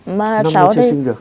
năm nay chưa sinh được